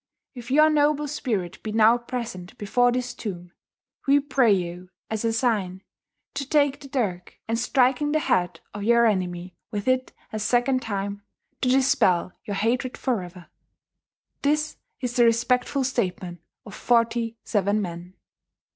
If your noble spirit be now present before this tomb, we pray you, as a sign, to take the dirk, and, striking the head of your enemy with it a second time, to dispel your hatred forever. This is the respectful statement of forty seven men."